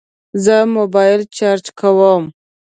زه موبایل چارج کوم